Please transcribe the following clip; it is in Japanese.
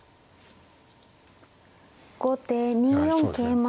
後手２四桂馬。